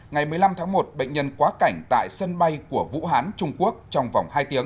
ngày một mươi năm tháng một bệnh nhân quá cảnh tại sân bay của vũ hán trung quốc trong vòng hai tiếng